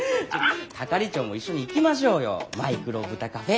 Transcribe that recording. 係長も一緒に行きましょうよマイクロブタカフェ。